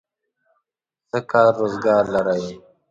څه کار روزګار لرئ؟